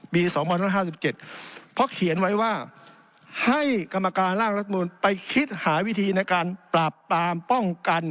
๒๕๕๗เพราะเขียนไว้ว่าให้กรรมการร่างรัฐมนุนไปคิดหาวิธีในการปราบปรามป้องกัน